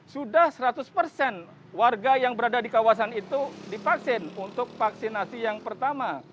sudah seratus persen warga yang berada di kawasan itu divaksin untuk vaksinasi yang pertama